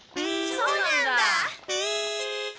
そうなんだ。